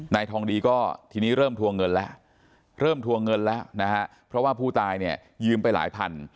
นายทองดีก็ทีนี้เริ่มทวงเงินแล้วเพราะว่าผู้ตายยืมไปหลายพัน